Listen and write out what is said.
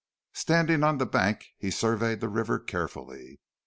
Standing on the bank he surveyed the river carefully.